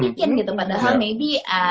bikin gitu padahal mungkin